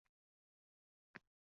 Qizalog`imning oyog`i xasta edi